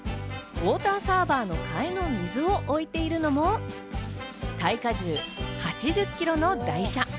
ウオーターサーバーの替えの水を置いているのも耐荷重８０ｋｇの台車。